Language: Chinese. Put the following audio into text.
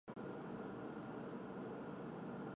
圣普列斯特人口变化图示